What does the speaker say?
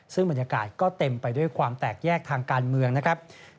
ซึ่งบรรยากาศก็เต็มไปด้วยความแตกแยกทางการเมืองนะครับ